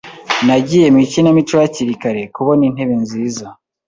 Nagiye mu ikinamico hakiri kare kubona intebe nziza.